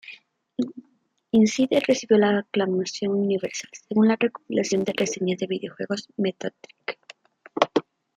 Inside recibió la aclamación universal, según el recopilador de reseñas de videojuegos Metacritic.